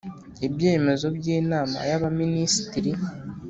ibyemezo by’inama y’abaminisitiri